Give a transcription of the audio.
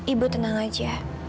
ibu tenang saja